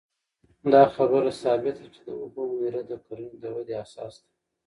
دا خبره ثابته ده چې د اوبو مدیریت د کرنې د ودې اساس دی.